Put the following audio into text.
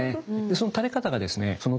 その垂れ方がですねおお。